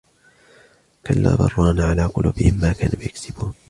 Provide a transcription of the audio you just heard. كَلَّا بَلْ رَانَ عَلَى قُلُوبِهِمْ مَا كَانُوا يَكْسِبُونَ